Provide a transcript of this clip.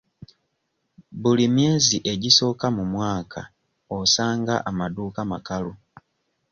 Buli myezi egisooka mu mwaka osanga amaduuka makalu.